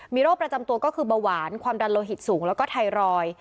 มีโรคประจำตัวก็คือเบาหวานความดันโลหิตสูงแล้วก็ไทรอยด์